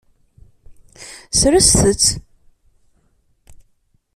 Serset-t.